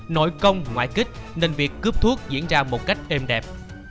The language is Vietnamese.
nội công ngoại kích nên việc cướp thuốc diễn ra một cách êm đẹp